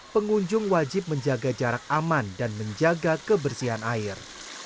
pengunjung wajib menjaga jarak aman dan menjaga kebersihan air